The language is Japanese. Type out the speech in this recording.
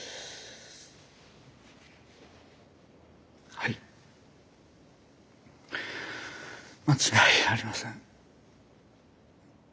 はい間違いありません。